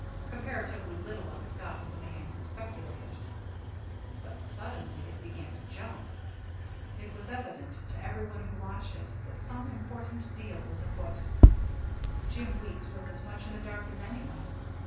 Comparatively little of it got into the hands of speculators. But suddenly it began to jump. It was evident to every one who watched it that some important deal was afoot. Jim Weeks was as much in the dark as any one.